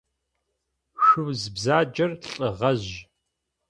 Шъуз бзаджэр лӏы гъэжъ.